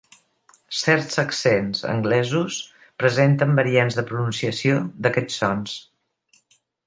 Certs accents anglesos presenten variants de pronunciació d'aquests sons.